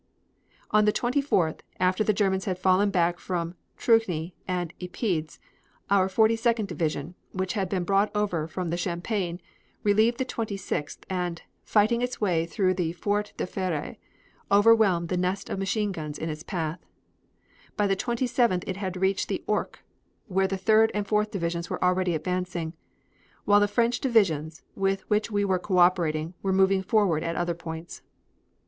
On the 24th, after the Germans had fallen back from Trugny and Epieds, our Forty second Division, which had been brought over from the Champagne, relieved the Twenty sixth and, fighting its way through the Foret de Fere, overwhelmed the nest of machine guns in its path. By the 27th it had reached the Ourcq, whence the Third and Fourth divisions were already advancing, while the French divisions with which we were co operating were moving forward at other points.